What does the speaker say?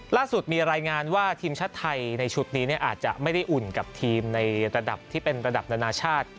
ล่าสุดมีรายงานว่าทีมชาติไทยในชุดนี้อาจจะไม่ได้อุ่นกับทีมในระดับที่เป็นระดับนานาชาติ